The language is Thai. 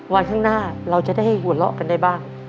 วันข้างหน้าเราจะได้หัวเราะกันได้บ้าง